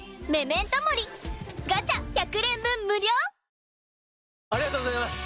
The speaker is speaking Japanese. ニトリありがとうございます！